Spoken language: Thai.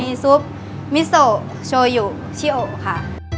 มีซุปมิโซโชยูชิโอค่ะ